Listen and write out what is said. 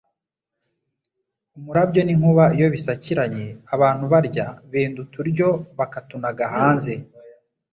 Umurabyo n’inkuba iyo bisakiranye, abantu barya, benda uturyo bakatunaga hanze